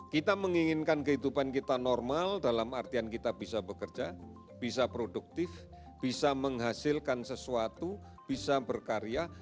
kita menginginkan kehidupan kita normal dalam artian kita bisa bekerja bisa produktif bisa menghasilkan sesuatu bisa berkarya